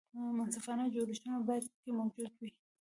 منصفانه جوړښتونه باید پکې موجود وي.